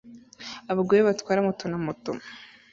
Abagore batwara moto na moto